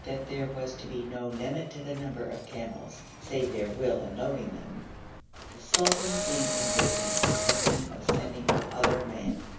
_ that there was to be no limit to the number of camels, save their will in loading them, the sultan, being indignant, was thinking of sending for other men.